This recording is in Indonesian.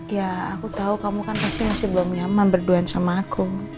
ya aku tahu kamu kan pasti masih belum nyaman berduaan sama aku